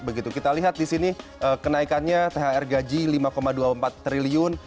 begitu kita lihat di sini kenaikannya thr gaji lima dua puluh empat triliun